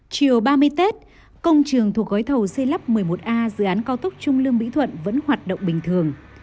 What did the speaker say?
chiều ba mươi tết công trường thuộc gói thầu c một mươi một a dự án cao tấp trung lương mỹ thuận vẫn hoạt động bình thường